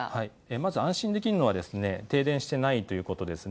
まず安心できるのは停電していないということですね。